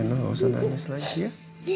rema gausah nangis lagi ya